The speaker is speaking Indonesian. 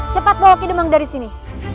cepat bawa kiduman dari sini